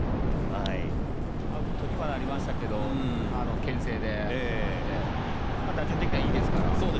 アウトにはなりましたけど、けん制で挟まれて打順的にはいいですから。